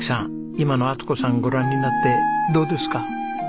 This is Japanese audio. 今の充子さんご覧になってどうですか？